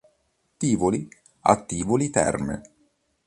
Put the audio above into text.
Tivoli a Tivoli Terme.